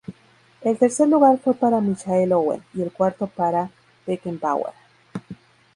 El tercer lugar fue para Michael Owen y el cuarto para Beckenbauer.